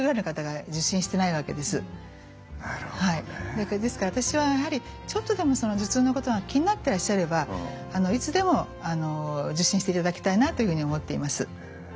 ですからですから私はやはりちょっとでも頭痛のことが気になってらっしゃればいつでも受診していただきたいなというふうに思っています。